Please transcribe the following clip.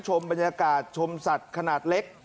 ชมบรรยากาศชมสัตว์ขนาดเล็ก